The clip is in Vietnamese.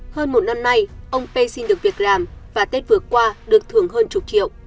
hơn một năm nay ông pê xin được việc làm và tết vừa qua được thưởng hơn chục triệu